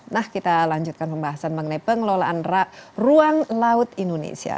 nah kita lanjutkan pembahasan mengenai pengelolaan ruang laut indonesia